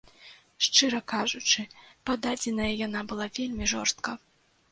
Шчыра кажучы, пададзеная яна была вельмі жорстка.